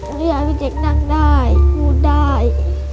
หนูอยากให้พี่เจ๊กนั่งได้พูดได้